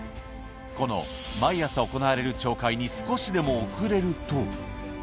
この毎朝行われる朝会に少しでも遅れると。